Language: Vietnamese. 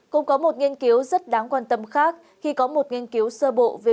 cũng có một nghiên cứu rất đáng quan tâm khác khi có một nghiên cứu sơ bộ về